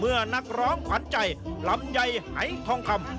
เมื่อนักร้องขวัญใจลำใยหายท่องคำ